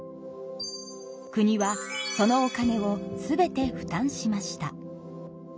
国はそのお金を全て負担しました。